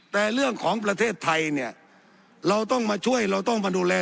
แต่เรื่องของประเทศไทยเนี่ยเราต้องมาช่วยเราต้องมาดูแล